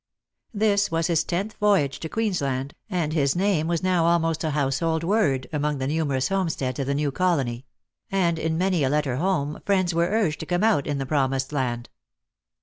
This was his tenth voyage to Queensland, and his name was now almost a household word among the numerous homesteads of the new colony; and in many a letter home friends were urged to come out in the Promised Land.